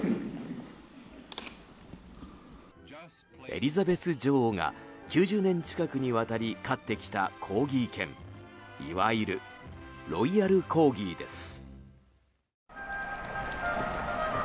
エリザベス女王が９０年近くにわたり飼ってきたコーギー犬いわゆるロイヤルコーギーです。